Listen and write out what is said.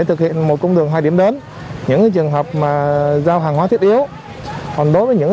thực hiện một con đường hai điểm đến những trường hợp mà giao hàng hóa thiết yếu còn đối với những